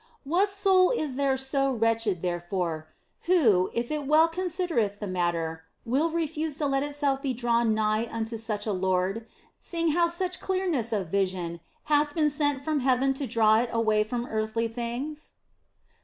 What soul is there so wretched, therefore, who, if it well considereth the matter, will refuse to let itself be drawn nigh unto such a Lord, seeing how that such clear OF FOLIGNO 153 ness of vision hath been sent from heaven to draw it away from earthly things